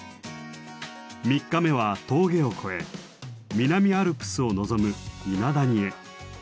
３日目は峠を越え南アルプスを望む伊那谷へ。